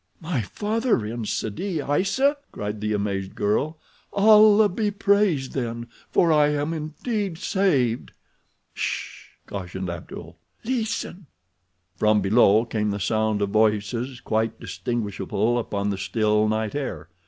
"My father in Sidi Aissa?" cried the amazed girl. "Allah be praised then, for I am indeed saved." "Hssh!" cautioned Abdul. "Listen." From below came the sound of voices, quite distinguishable upon the still night air.